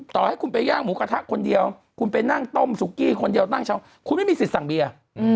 ต่อให้คุณไปย่างหมูกระทะคนเดียวคุณไปนั่งต้มสุกี้คนเดียวนั่งเช้าคุณไม่มีสิทธิ์สั่งเบียร์